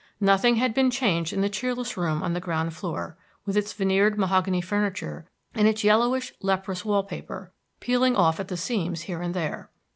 Nothing had been changed in the cheerless room on the ground floor, with its veneered mahogany furniture and its yellowish leprous wall paper, peeling off at the seams here and there.